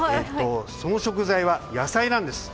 その食材は野菜なんです。